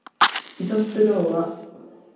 イソップ童話